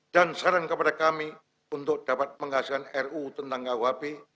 dan saran kepada kami untuk dapat menghasilkan ruu tentang kuhp